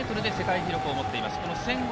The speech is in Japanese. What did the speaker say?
１０００ｍで世界記録を持っています。